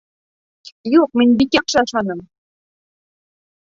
Юҡ, мин бик яҡшы ашаным